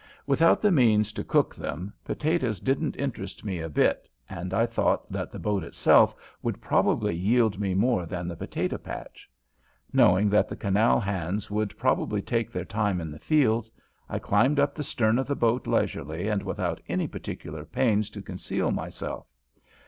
Without the means to cook them, potatoes didn't interest me a bit, and I thought that the boat itself would probably yield me more than the potato patch. Knowing that the canal hands would probably take their time in the fields, I climbed up the stern of the boat leisurely and without any particular pains to conceal myself.